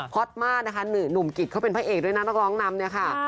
อตมากนะคะหนุ่มกิจเขาเป็นพระเอกด้วยนะนักร้องนำเนี่ยค่ะ